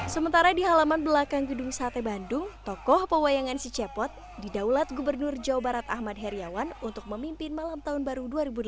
sementara di halaman belakang gedung sate bandung tokoh pewayangan si cepot didaulat gubernur jawa barat ahmad heriawan untuk memimpin malam tahun baru dua ribu delapan belas